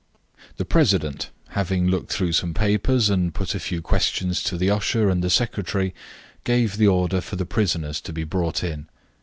The president, having looked through some papers and put a few questions to the usher and the secretary, gave the order for the prisoners to be brought in.